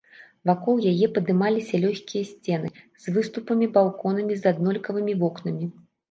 Вакол яе падымаліся лёгкія сцены, з выступамі, балконамі, з аднолькавымі вокнамі.